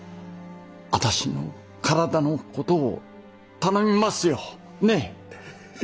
私の体の事を頼みますよねえ。